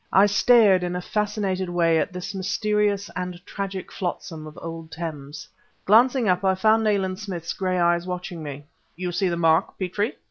I stared in a fascinated way at this mysterious and tragic flotsam of old Thames. Glancing up, I found Nayland Smith's gray eyes watching me. "You see the mark, Petrie?"